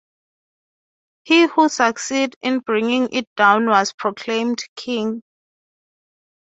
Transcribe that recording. He who succeeded in bringing it down was proclaimed King.